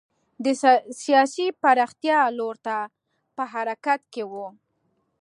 د سیاسي پراختیا لور ته په حرکت کې و.